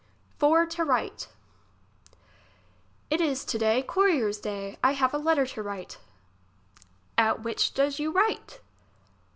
For to write. It is to day courier day's; I have a letter to write. At which does you write